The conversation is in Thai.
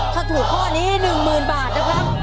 ถ้าถูกข้อนี้๑๐๐๐บาทนะครับ